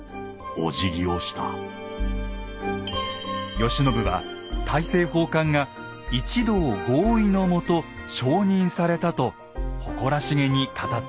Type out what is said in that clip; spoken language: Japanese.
慶喜は大政奉還が一同合意のもと承認されたと誇らしげに語っています。